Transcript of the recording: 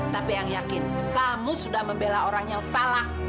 tapi yang yakin kamu sudah membela orang yang salah